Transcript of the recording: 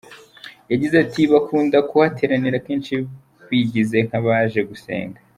Yagize ati ”Bakunda kuhateranira kenshi bigize nk’abaje gusenga”.